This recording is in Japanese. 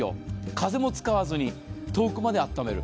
風も使わずに遠くまであっためる。